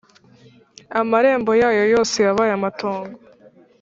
amarembo yayo yose yabaye amatongo,